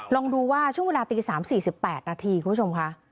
ลองดูว่าช่วงเวลาตี๓๔๘นาทีคุณผู้ชมค่ะ